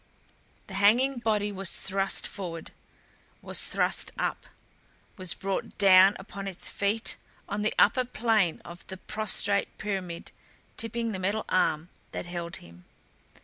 The hanging body was thrust forward; was thrust up; was brought down upon its feet on the upper plane of the prostrate pyramid tipping the metal arm that held him.